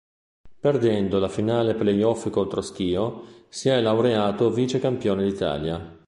Perdendo la finale play-off contro Schio, si è laureato vice campione d'Italia.